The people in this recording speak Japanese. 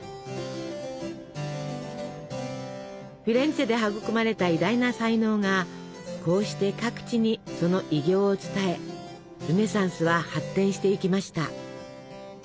フィレンツェで育まれた偉大な才能がこうして各地にその偉業を伝えルネサンスは発展していきました。